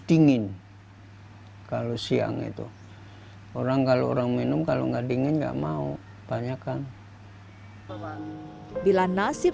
dingin kalau siang itu orang kalau orang minum kalau nggak dingin nggak mau tanyakan bila nasib